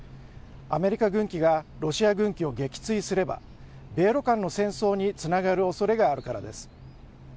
アメリカ軍機がロシア軍機を撃墜すれば米ロ間の戦争につながるおそれがあるからです。